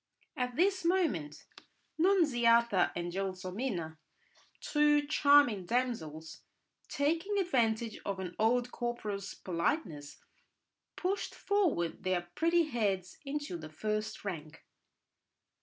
At this moment, Nunziata and Gelsomina, two charming damsels, taking advantage of an old corporal's politeness, pushed forward their pretty heads into the first rank.